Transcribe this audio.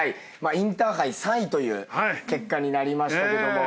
インターハイ３位という結果になりましたけども。